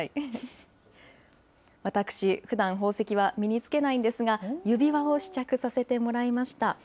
私、ふだん宝石は身につけないんですが、指輪を試着させてもらいました。